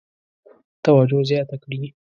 توجه زیاته کړي.